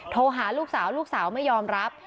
โทรหาลูกสาวลูกสาวไม่ยอมรับ